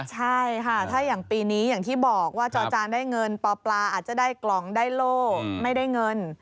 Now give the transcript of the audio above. ใช่ค่ะถ้าอย่างปีนี้อย่างที่บอกว่าจอจานได้เงินปปลาอาจจะได้กล่องได้โล่ไม่ได้เงิน